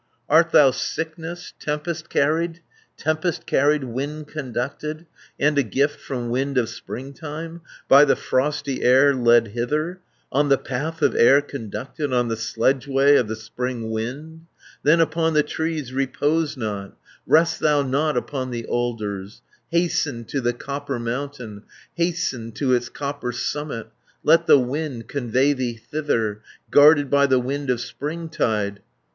"Art thou Sickness, tempest carried, Tempest carried, wind conducted, And a gift from wind of springtime, By the frosty air led hither, 350 On the path of air conducted, On the sledgeway of the spring wind, Then upon the trees repose not, Rest thou not upon the alders, Hasten to the copper mountain, Hasten to its copper summit, Let the wind convey thee thither, Guarded by the wind of springtide.